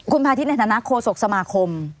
คุณพาทิศในธนาคโฆษกสมาคม